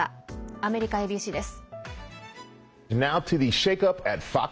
アメリカＡＢＣです。